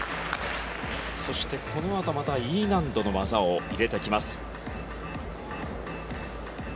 そしてこのあとまたＥ難度の技を入れてきます。